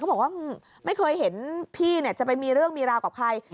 บอกว่าไม่เคยเห็นพี่จะไปมีเรื่องมีราวกับใคร